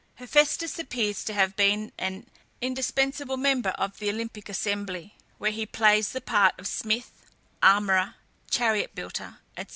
Hephæstus appears to have been an indispensable member of the Olympic Assembly, where he plays the part of smith, armourer, chariot builder, &c.